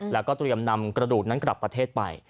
แล้วก็เตรียมนำกระดูกนั้นกลับประเทศไป